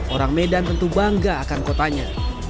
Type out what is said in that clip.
orang medan tentu bangga akan kotanya